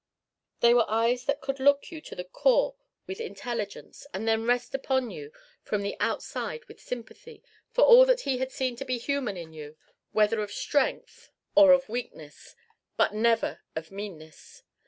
They were eyes that could look you to the core with intelligence and then rest upon you from the outside with sympathy for all that he had seen to be human in you whether of strength or of weakness but never of meanness.